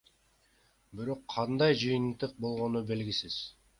Бирок кандай жыйынтык болгону белгисиз.